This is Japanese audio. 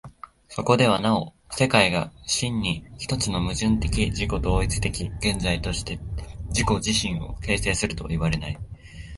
そこではなお世界が真に一つの矛盾的自己同一的現在として自己自身を形成するとはいわれない。